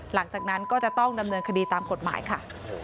หลังจากนั้นก็จะต้องดำเนินคดีตามกฎหมายค่ะ